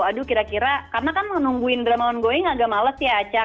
aduh kira kira karena kan menungguin drama ongoing agak males ya aceh